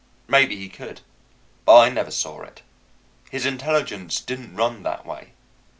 Maybe he could, but I never saw it. His intelligence didn't run that way.